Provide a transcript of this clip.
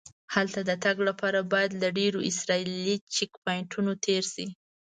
هلته د تګ لپاره باید له ډېرو اسرایلي چیک پواینټونو تېر شې.